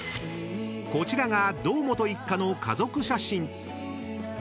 ［こちらが堂本一家の家族写真］